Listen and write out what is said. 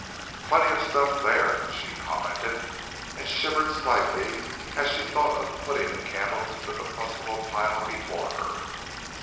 "Plenty of stuff there," she commented, and shivered slightly as she thought of putting a candle to the combustible pile before her.